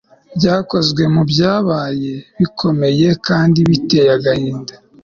Byakozwe mubyabaye bikomeye kandi biteye agahinda